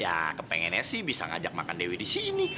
ya kepengennya sih bisa ngajak makan dewi di sini